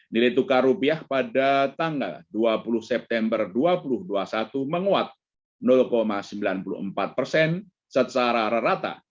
nilai tukar rupiah pada tanggal dua puluh september dua ribu dua puluh satu menguat sembilan puluh empat persen secara rata